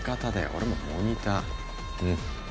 俺もモニターうん？